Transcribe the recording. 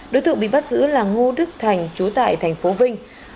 đối tượng bị bắt giữ là ngu đức thành chú tại tp vinh